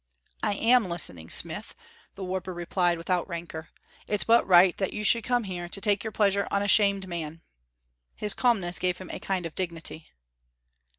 "I am listening, smith," the warper replied, without rancour. "It's but right that you should come here to take your pleasure on a shamed man." His calmness gave him a kind of dignity.